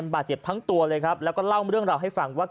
บาดเจ็บทั้งตัวเลยครับแล้วก็เล่าเรื่องราวให้ฟังว่า